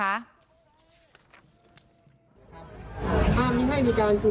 ทั้งนี้ตั้งแต่วันที่๕วีนาคม